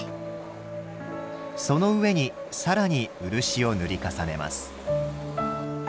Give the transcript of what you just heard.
その上に更に漆を塗り重ねます。